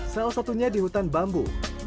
salah satunya di hutan bambu